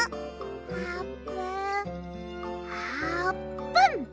あーぷんあーぷん！